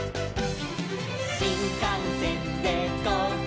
「しんかんせんでゴー！